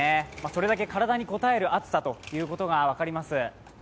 それだけ体にこたえる暑さということが分かります。